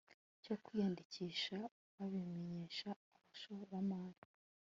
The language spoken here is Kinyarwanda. cyo kwiyandikisha babimenyesha abashoramari